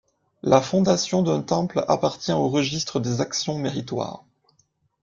La fondation d'un temple appartient au registre des actions méritoires.